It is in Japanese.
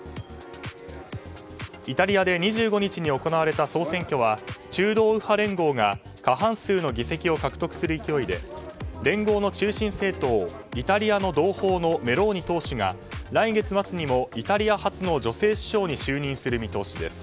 イタリアで２５日行われた総選挙は中道右派連合が過半数の議席を獲得する勢いで連合の中心政党イタリアの同胞のメローニ党首が来月末にもイタリア初の女性首相に就任する見通しです。